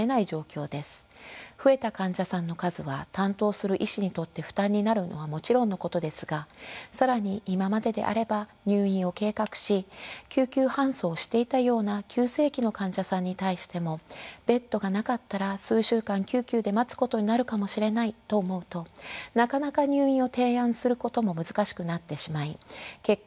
増えた患者さんの数は担当する医師にとって負担になるのはもちろんのことですが更に今までであれば入院を計画し救急搬送していたような急性期の患者さんに対してもベッドがなかったら数週間救急で待つことになるかもしれないと思うとなかなか入院を提案することも難しくなってしまい結果